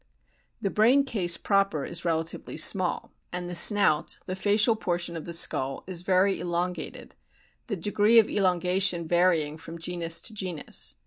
The brain case proper is relatively small (see Figs. 19, 20, pp. 1 1 8, 119), and the snout, the facial portion of the skull, is very elongated, the degree of elongation varying from genus to genus.